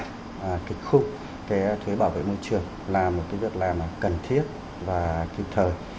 cái khung thuế bảo vệ môi trường là một việc làm cần thiết và kịp thời